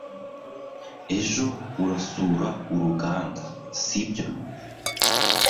Ejo urasura uruganda, sibyo?